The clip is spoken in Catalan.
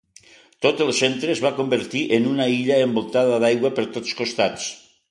Tot el centre es va convertir en una illa envoltada d'aigua per tots costats.